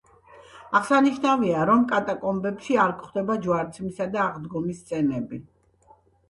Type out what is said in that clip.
აღსანიშნავია, რომ კატაკომბებში არ გვხვდება ჯვარცმისა და აღდგომის სცენები.